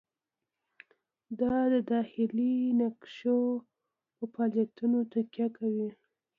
دا د داخلي تفتیش په فعالیتونو تکیه کوي.